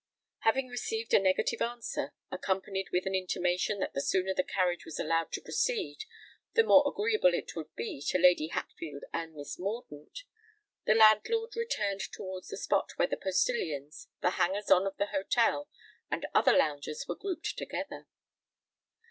Having received a negative answer, accompanied with an intimation that the sooner the carriage was allowed to proceed the more agreeable it would be to Lady Hatfield and Miss Mordaunt, the landlord returned towards the spot where the postillions, the hangers on of the hotel, and other loungers were grouped together.